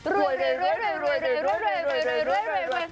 รวยแปะนี่